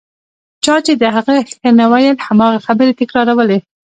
چا چې د هغه ښه نه ویل هماغه خبرې تکرارولې.